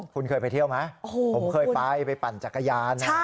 คุณเคยไปเที่ยวไหมผมเคยไปไปปั่นจักรยาน